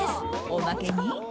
おまけに。